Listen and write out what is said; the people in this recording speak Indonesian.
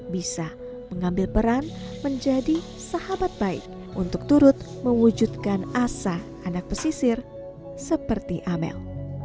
bisa mengambil peran menjadi sahabat baik untuk turut mewujudkan asa anak pesisir seperti amel